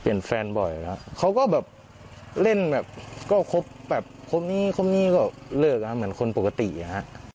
เปลี่ยนแฟนบ่อยอะเขาก็แบบเล่นแบบก็คบแบบคบนี้คบนี้ก็เลิกอะเหมือนคนปกติอะฮะ